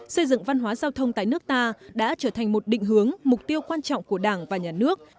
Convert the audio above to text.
xây dựng văn hóa giao thông tại nước ta đã trở thành một định hướng mục tiêu quan trọng của đảng và nhà nước